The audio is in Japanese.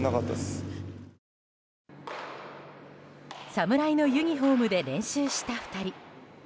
侍のユニホームで練習した２人。